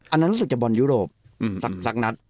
อันนั้นรู้สึกจะบอลยุโรปสักนัด